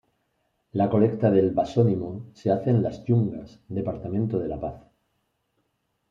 La colecta del basónimo se hace en Las Yungas, Departamento de La Paz